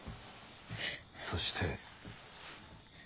そして。